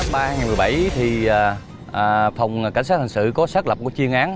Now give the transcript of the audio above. tháng ba hai nghìn một mươi bảy thì phòng cảnh sát hành sự có xác lập một chuyên án